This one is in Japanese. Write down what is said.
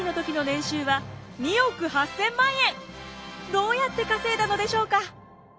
どうやって稼いだのでしょうか？